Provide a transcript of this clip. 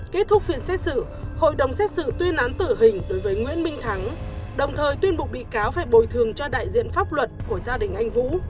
kết thúc phiên xét xử hội đồng xét xử tuyên án tử hình đối với nguyễn minh thắng đồng thời tuyên buộc bị cáo phải bồi thường cho đại diện pháp luật của gia đình anh vũ